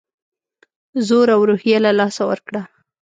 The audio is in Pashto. زور او روحیه له لاسه ورکړه.